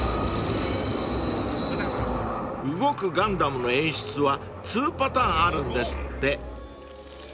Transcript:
［動くガンダムの演出は２パターンあるんですって］